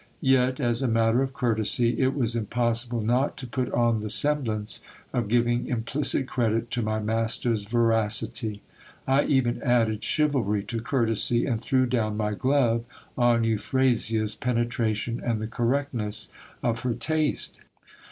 Yet, as a matter of courtesy, it was impossible not to put on the semblance of giving implicit credit to my master's veracity ; I even added chivalry to courtesy, and threw down my glove on Euphrasia's penetration and the correctness of her taste.